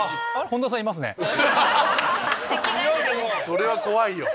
それは怖いよ。